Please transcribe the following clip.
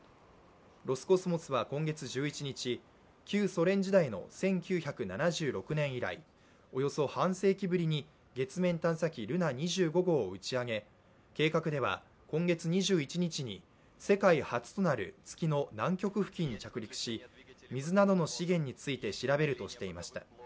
ロスコスモスは今月１１日、旧ソ連時代の１９７６年以来、およそ半世紀ぶりに月面探査機ルナ２５号を打ち上げ、計画では今月２１日に世界初となる、月の南極付近に着陸し水などの資源について、調べるとしていました。